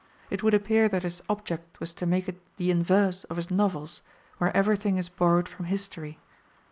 It would appear that his object was to make it the inverse of his novels, where everything is borrowed from history.